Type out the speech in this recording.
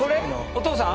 お父さん？